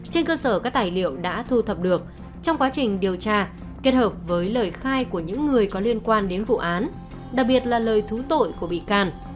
trên cơ sở các tài liệu đã thu thập được trong quá trình điều tra kết hợp với lời khai của những người có liên quan đến vụ án đặc biệt là lời thú tội của bị can